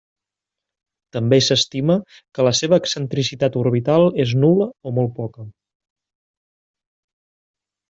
També s'estima que la seva excentricitat orbital és nul·la o molt poca.